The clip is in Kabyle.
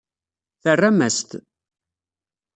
Terram-as-t.